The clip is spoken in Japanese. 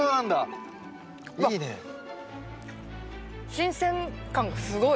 新鮮感がすごい。